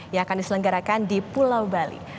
yang akan diselenggarakan di pulau bali